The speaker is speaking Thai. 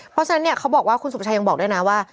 เพราะฉะนั้นเนี่ยเขาบอกว่าคุณสุภาชัยยังบอกด้วยนะว่า